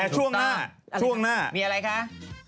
แต่ช่วงหน้ามีอะไรคะ